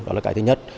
đó là cái thứ nhất